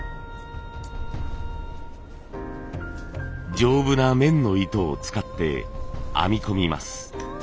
丈夫な綿の糸を使って編み込みます。